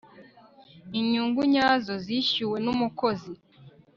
inyungu nyazo zishyuwe n'umukozi